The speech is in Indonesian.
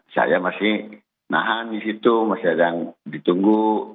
saya masih nahan di situ masih ada yang ditunggu